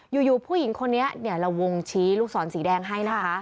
อยู่ผู้หญิงคนนี้ละวงชี้ลูกศรสีแดงให้นะคะ